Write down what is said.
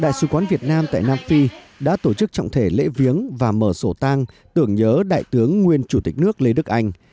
đại sứ quán việt nam tại nam phi đã tổ chức trọng thể lễ viếng và mở sổ tang tưởng nhớ đại tướng nguyên chủ tịch nước lê đức anh